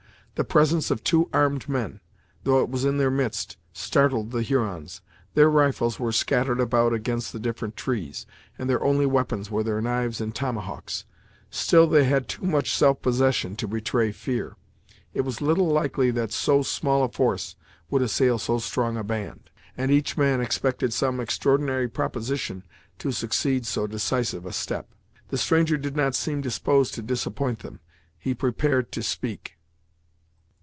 The presence of two armed men, though it was in their midst, startled the Hurons. Their rifles were scattered about against the different trees, and their only weapons were their knives and tomahawks. Still they had too much self possession to betray fear. It was little likely that so small a force would assail so strong a band, and each man expected some extraordinary proposition to succeed so decisive a step. The stranger did not seem disposed to disappoint them; he prepared to speak.